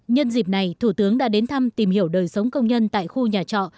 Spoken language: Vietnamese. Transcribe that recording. nhân dịp này thủ tướng đã đến thăm tìm hiểu đời sống công nhân tại khu nhà trọ